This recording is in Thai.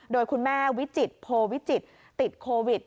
โดยคุณแม่วิจิตโพวิจิตรติดโควิด